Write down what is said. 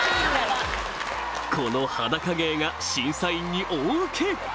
この裸芸が審査員に大ウケ！